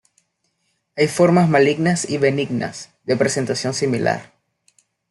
Hay formas malignas y benignas, de presentación similar.